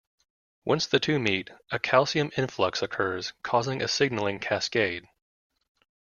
Once the two meet, a calcium influx occurs, causing a signaling cascade.